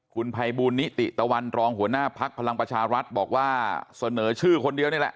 คุณภัยบูลนิติตะวันรองหัวหน้าภักดิ์พลังประชารัฐบอกว่าเสนอชื่อคนเดียวนี่แหละ